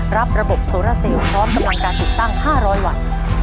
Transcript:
รับระบบโซราเซลพร้อมกำลังการติดตั้ง๕๐๐วัน